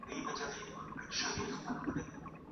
زما قلا به نه وي ستا په زړه کي به آباد سمه